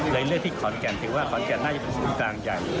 เลือดที่ขอนแก่นถือว่าขอนแก่นน่าจะเป็นคนกลางใหญ่